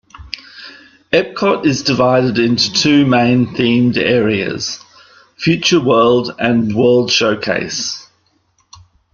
Epcot is divided into two main themed areas: Future World and World Showcase.